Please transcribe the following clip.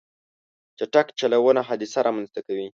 چټک چلوونه حادثه رامنځته کوي.